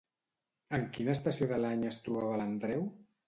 En quina estació de l'any es trobava l'Andreu?